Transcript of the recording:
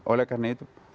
oleh karena itu